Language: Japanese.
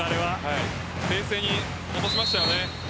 冷静に落としましたよね。